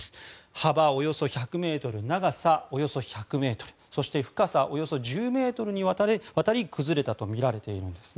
幅およそ１００ｍ長さおよそ１００ｍそして深さおよそ１０ｍにわたり崩れたとみられているんです。